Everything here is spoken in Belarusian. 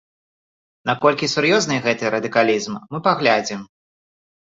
Наколькі сур'ёзны гэты радыкалізм, мы паглядзім.